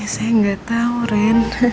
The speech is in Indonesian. saya nggak tahu ren